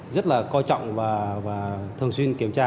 rất là coi trọng và thường xuyên kiểm tra